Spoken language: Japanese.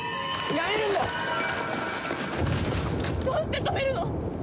どうして止めるの！？